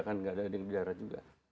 tidak ada di daerah juga